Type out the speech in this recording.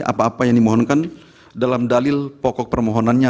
apa apa yang dimohonkan dalam dalil pokok permohonannya